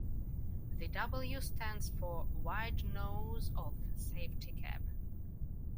The W stands for "Wide-nose" or Safety Cab.